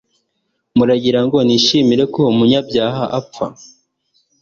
Muragira ngo nishimira ko umunyabyaha apfa